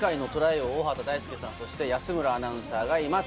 王・大畑大介さん、そして安村アナウンサーがいます。